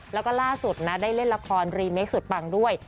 แล้วล่าสุดได้เล่นละครสุดป่างด้วย